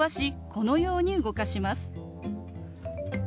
このように動かします。